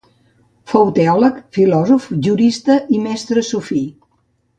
Fou teòleg, filòsof, jurista i mestre sufí.